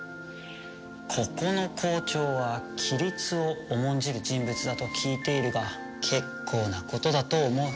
ここの校長は規律を重んじる人物だと聞いているが結構なことだと思う。